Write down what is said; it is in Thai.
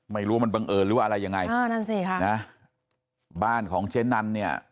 ไม่รู้ว่ามันบังเอิญหรืออะไรยังไงเออนั่นสิค่ะนะบ้านของเจ๊นันเนี่ย